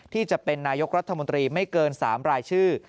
ที่จะเป็นนายกรัฐมนตรีไม่เกิน๓รายชื่อ